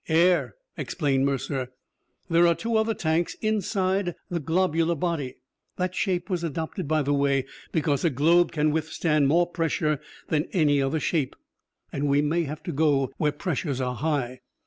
"Air," explained Mercer. "There are two other tanks inside the globular body. That shape was adopted, by the way, because a globe can withstand more pressure than any other shape. And we may have to go where pressures are high."